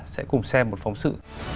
sẽ cùng xem một phóng sự